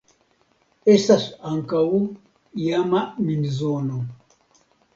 Estas ankaŭ iama minzono.